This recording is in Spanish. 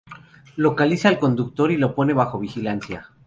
Localiza al conductor y lo pone bajo vigilancia.